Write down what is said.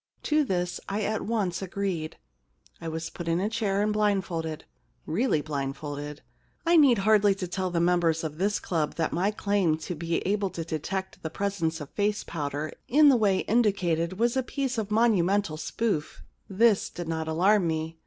To this I at once agreed. * I was put in a chair and blindfolded — really blindfolded. I need hardly tell the members of this club that my claim to be 3^ The Kiss Problem able to detect the presence of face powder in the way indicated was a piece of monu mental spoof. This did not alarm me.